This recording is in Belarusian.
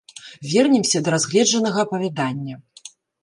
Вернемся да разгледжанага апавядання.